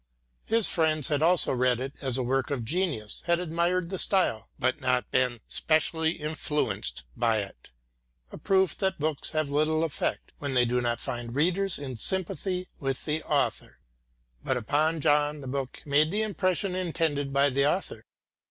His friends had also read it as a work of genius, had admired the style, but not been specialty influenced by it, a proof that books have little effect, when they do not find readers in sympathy with the author. But upon John the book made the impression intended by the author.